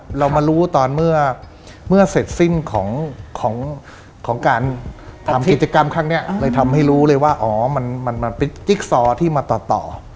แต่มารู้เมื่อเกิดเสร็จของการทำกิจกรรมข้างนี้เลยทำให้รู้เลยว่ามันปิดจิ๊กซอที่มาต่อ